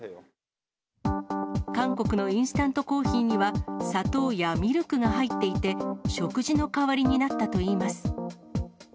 韓国のインスタントコーヒーには、砂糖やミルクが入っていて、食事の代わりになったといいます。